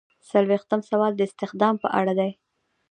څلویښتم سوال د استخدام په اړه دی.